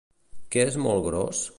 Què és molt gros?